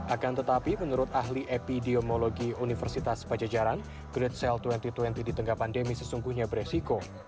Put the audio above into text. akan tetapi menurut ahli epidemiologi universitas pajajaran great sale dua ribu dua puluh di tengah pandemi sesungguhnya beresiko